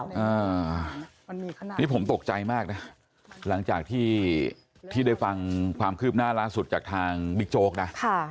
อันนี้ผมตกใจมากนะหลังจากที่ที่ได้ฟังความคืบหน้าล่าสุดจากทางบิ๊กโจ๊กนะค่ะ